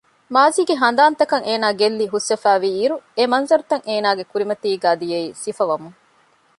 މާޒީގެ ހަނދާންތަކަށް އޭނާ ގެއްލި ހުސްވެފައިވީ އިރު އެ މަންޒަރުތައް އޭނާގެ ކުރިމަތީގައި ދިޔައީ ސިފަވަމުން